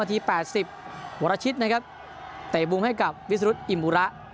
นาทีแปดสิบวรชิตนะครับเตะบุงให้กับวิสุทธิ์อิมระ